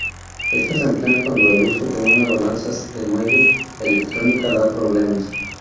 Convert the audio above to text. Estas se emplean cuando el uso de una balanza de muelle electrónica da problemas.